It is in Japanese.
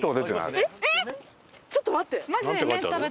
ちょっと待って。